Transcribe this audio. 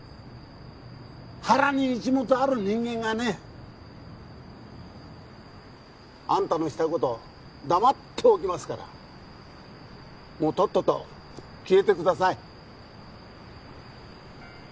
腹に一物ある人間がねあんたのしたこと黙っておきますからもうとっとと消えてください